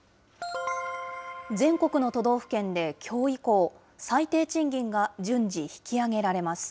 全国の都道府県で、きょう以降、最低賃金が順次、引き上げられます。